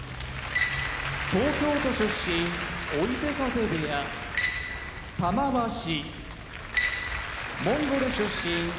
東京都出身追手風部屋玉鷲モンゴル出身片男波部屋